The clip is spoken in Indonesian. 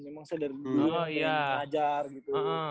memang saya dari dulu pengen ngajar gitu